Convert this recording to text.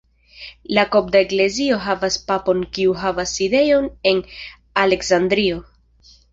La kopta eklezio havas papon kiu havas sidejon en Aleksandrio.